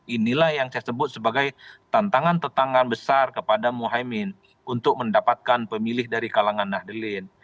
inilah yang saya sebut sebagai tantangan tetangga besar kepada muhaymin untuk mendapatkan pemilih dari kalangan nahdlin